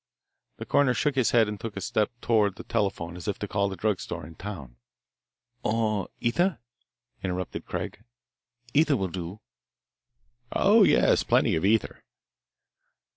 The coroner shook his head and took a step toward the telephone as if to call the drug store in town. "Or ether?" interrupted Craig. "Ether will do." "Oh, yes, plenty of ether."